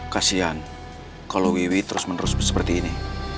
kasian kalau wiwi terus menerus seperti ini